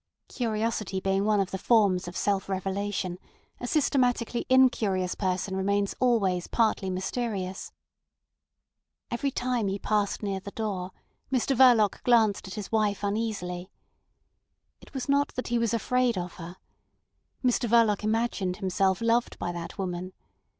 Curiosity being one of the forms of self revelation, a systematically incurious person remains always partly mysterious. Every time he passed near the door Mr Verloc glanced at his wife uneasily. It was not that he was afraid of her. Mr Verloc imagined himself loved by that woman.